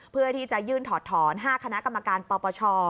เพื่อที่จะยื่นถอดถอน๕คณะกรรมการปปช